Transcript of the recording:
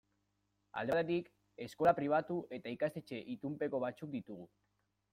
Alde batetik, eskola pribatu eta ikastetxe itunpeko batzuk ditugu.